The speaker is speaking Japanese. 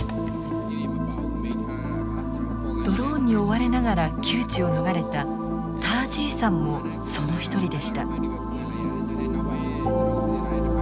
ドローンに追われながら窮地を逃れたター・ジーさんもその一人でした。